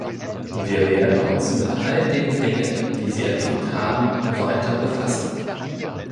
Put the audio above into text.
Wir werden uns mit all den Dingen, die Sie erwähnt haben, weiter befassen.